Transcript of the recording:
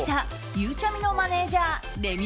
ゆうちゃみのマネジャーれみ